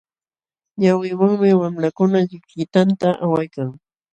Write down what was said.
Yawliwanmi wamlakuna llikllitanta awaykan.